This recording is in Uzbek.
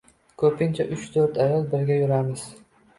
Ko`pincha uch-to`rt ayol birga yuramiz